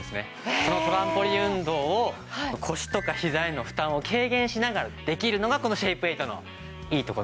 そのトランポリン運動を腰とかひざへの負担を軽減しながらできるのがこのシェイプエイトのいいとこなんです。